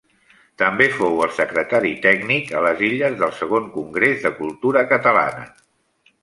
També fou el secretari tècnic a les Illes del Segon Congrés de Cultura Catalana.